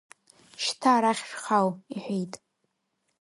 Шьҭа арахь шәхал, — иҳәеит.